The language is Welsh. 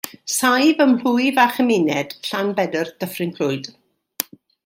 Saif ym mhlwyf a chymuned Llanbedr Dyffryn Clwyd.